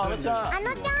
あのちゃん。